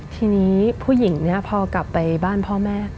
ทีนี้ผู้หญิงเนี่ยพอกลับไปบ้านพ่อแม่